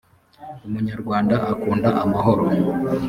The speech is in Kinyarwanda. umunyarwanda akunda amahoro